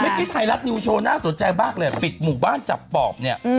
ไทยรัฐนิวโชว์น่าสนใจมากเลยปิดหมู่บ้านจับปอบเนี่ย